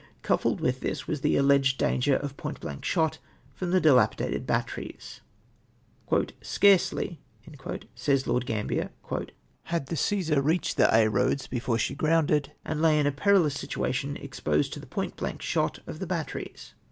CV)iq)led with this was the alleged dang er of point blank shot from the dilapidated batteries !" Scarcely," says Lord Gambler, " had the Cccsar reached Aix Eoads, before she grounded, and lay in a perilous situation edjjosed to the lyoint blank shot of the batteries.'"